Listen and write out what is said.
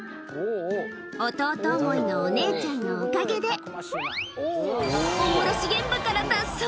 弟思いのお姉ちゃんのおかげで、お漏らし現場から脱走。